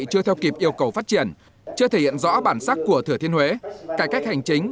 chưa theo kịp yêu cầu phát triển chưa thể hiện rõ bản sắc của thừa thiên huế cải cách hành chính